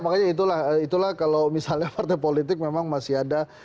makanya itulah itulah kalau misalnya partai politik memang masih ada